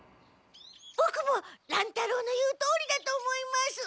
ボクも乱太郎の言うとおりだと思います。